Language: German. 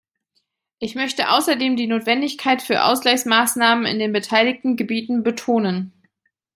Ich möchte außerdem die Notwendigkeit für Ausgleichsmaßnahmen in den beteiligten Gebieten betonen.